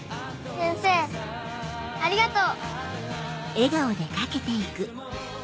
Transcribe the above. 先生ありがとう。